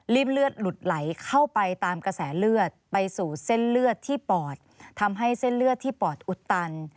เลือดหลุดไหลเข้าไปตามกระแสเลือดไปสู่เส้นเลือดที่ปอดทำให้เส้นเลือดที่ปอดอุดตัน